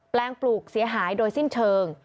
ลงปลูกเสียหายโดยสิ้นเชิง